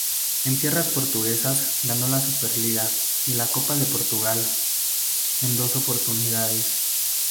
En tierras portuguesas ganó la SuperLiga y la Copa de Portugal, en dos oportunidades.